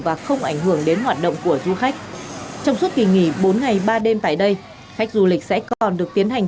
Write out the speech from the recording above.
và không ảnh hưởng đến hoạt động của du khách trong suốt kỳ nghỉ bốn ngày ba đêm tại đây khách du lịch sẽ còn được tiến hành